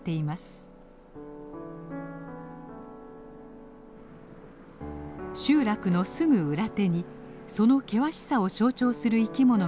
集落のすぐ裏手にその険しさを象徴する生き物がいます。